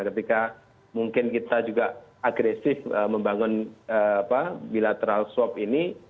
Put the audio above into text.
ketika mungkin kita juga agresif membangun bilateral swab ini